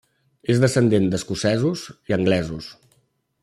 És descendent d'escocesos i anglesos.